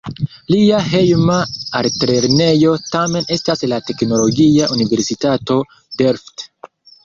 Lia "hejma" altlernejo tamen estas la Teknologia Universitato Delft.